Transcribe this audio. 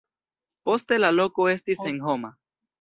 Poste la loko estis senhoma.